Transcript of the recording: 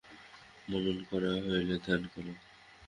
মনন করা হইলে ধ্যান কর।